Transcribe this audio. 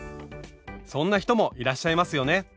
そんな人もいらっしゃいますよね。